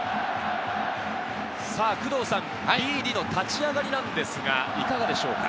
さぁビーディの立ち上がりなんですが、いかがでしょうか。